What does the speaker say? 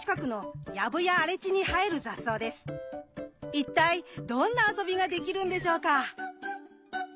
一体どんな遊びができるんでしょうか？